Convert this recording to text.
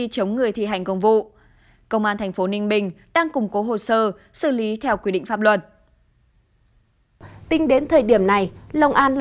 công an tp ninh bình triển khai lực lượng